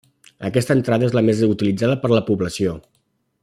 Aquesta entrada és la més utilitzada per la població.